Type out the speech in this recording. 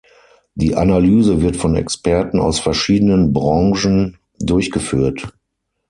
Die Analyse wird von Experten aus verschiedenen Branchen durchgeführt.